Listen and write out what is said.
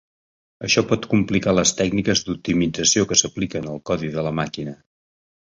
Això pot complicar les tècniques d'optimització que s'apliquen al codi de la màquina.